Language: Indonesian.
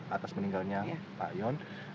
atas meninggalnya pak yon